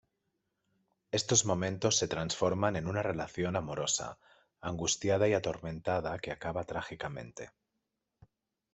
Estos momentos se transforman en una relación amorosa, angustiada y atormentada que acaba trágicamente.